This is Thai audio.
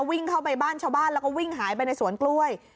วิ่งเข้าไปบ้านชาวบ้านแล้วก็วิ่งหายไปในสวนกล้วย